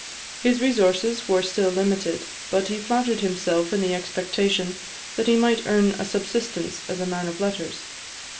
His resources were still limited, but he flattered himself in the expectation that he might earn a subsistence as a man of letters.